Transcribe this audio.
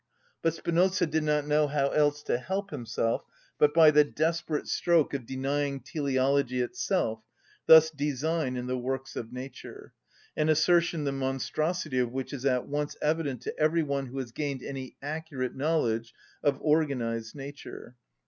But Spinoza did not know how else to help himself but by the desperate stroke of denying teleology itself, thus design in the works of nature—an assertion the monstrosity of which is at once evident to every one who has gained any accurate knowledge of organised nature.